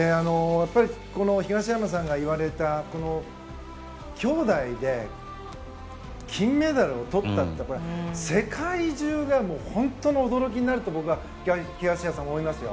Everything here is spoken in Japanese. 東山さんが言われた兄妹で金メダルをとったら世界中が驚きになると僕は東山さん、思いますよ。